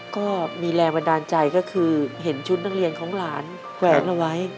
ก็มีแรงบันดาลใจก็คือเห็นชุดนักเรียนของหลานแขวนเอาไว้